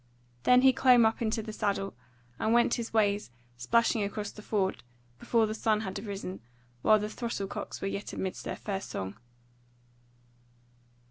Then he clomb up into the saddle, and went his ways splashing across the ford, before the sun had arisen, while the throstle cocks were yet amidst their first song.